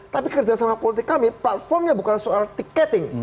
tapi kerjasama politik kami platformnya bukan soal tiketing